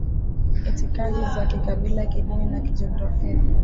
itikadi za kikabila kidini na kijiografia